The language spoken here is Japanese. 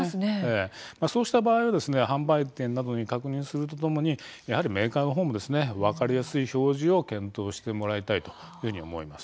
そうしたものは販売店などに確認するとともにメーカーの方も分かりやすい表示を検討していただきたいと思います。